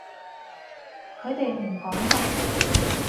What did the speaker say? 佢哋唔趕㗎